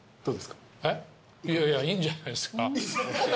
気使った「いいんじゃないですか」